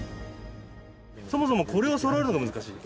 そもそも、これをそろえるの難しい？